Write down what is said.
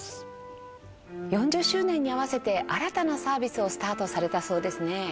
４０周年に合わせて新たなサービスをスタートされたそうですね。